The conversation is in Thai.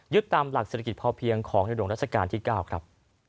ยึดตามหลักเศรษฐกิจพ่อเพียงของนิดหนึ่งราชการที่เก้าครับ